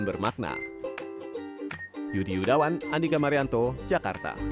bekerja keras selama ini kayak gitu lah